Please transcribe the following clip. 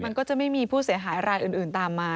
มันก็จะไม่มีผู้เสียหายรายอื่นตามมา